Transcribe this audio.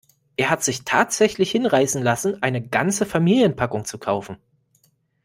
Er hat sich tatsächlich hinreißen lassen, eine ganze Familienpackung zu kaufen.